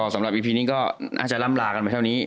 สำหรับอีพีนี้ก็น่าจะล่ำลากันไปเท่านี้